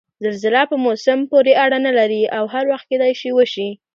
زلزله په موسم پورې اړنه نلري او هر وخت کېدای شي وشي؟